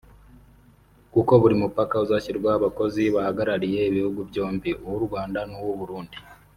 Kuko buri mupaka uzashyirwaho abakozi bahagarariye ibihugu byombi (uw’u Rwanda n’uw’u Burundi)